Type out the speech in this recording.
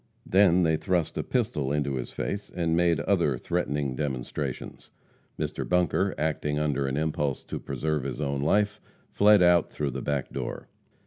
Then they thrust a pistol into his face and made other threatening demonstrations. Mr. Bunker, acting under an impulse to preserve his own life, fled out through the back door.